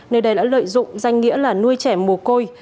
nên đây đã lợi dụng danh nghĩa là nuôi trẻ mùa côi